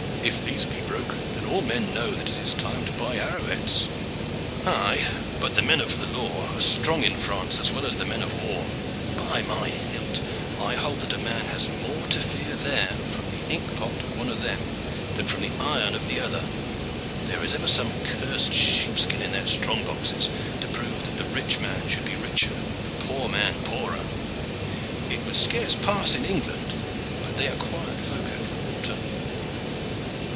If these be broken, then all men know that it is time to buy arrow heads." "Aye, but the men of the law are strong in France as well as the men of war. By my hilt! I hold that a man has more to fear there from the ink pot of the one than from the iron of the other. There is ever some cursed sheepskin in their strong boxes to prove that the rich man should be richer and the poor man poorer. It would scarce pass in England, but they are quiet folk over the water."